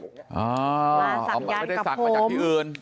อ๋อมาศักดิ์ยันต์กับผมไม่ได้ศักดิ์มาจากที่อื่น